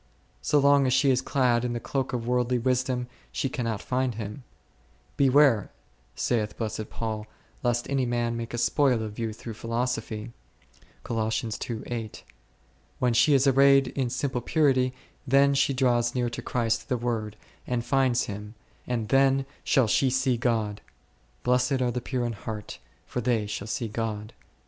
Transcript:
So long as she is clad in the cloak of worldly wisdom, she cannot find Him ; Beware, saith blessed Paul, lest any man make a spoil of you through philosophy 1 : when she is arrayed in simple purity, then she draws near to Christ the Word and finds Him, and then shall she see God ; Blessed are the pure in heart, for they shall see God k .